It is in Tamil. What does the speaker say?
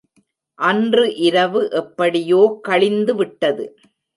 அன்று இரவு எப்படியோ கழிந்துவிட்டது.